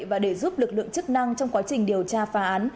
và để giúp lực lượng chức năng trong quá trình điều tra phá án